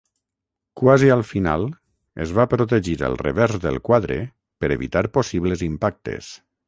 Quasi al final es va protegir el revers del quadre per evitar possibles impactes.